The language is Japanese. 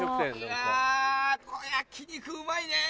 いやぁ焼き肉うまいね。